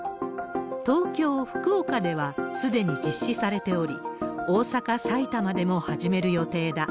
東京、福岡ではすでに実施されており、大阪、埼玉でも始める予定だ。